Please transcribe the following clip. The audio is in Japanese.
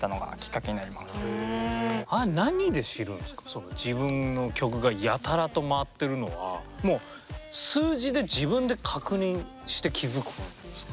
その自分の曲がやたらと回ってるのはもう数字で自分で確認して気付く感じですか？